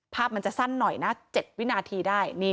ภาพมันจะสั้นหน่อยนะ๗วินาทีได้